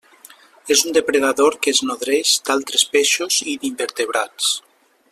És un depredador que es nodreix d'altres peixos i d'invertebrats.